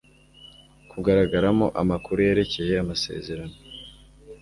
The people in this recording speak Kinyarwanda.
kugaragaramo amakuru yerekeye amasezerano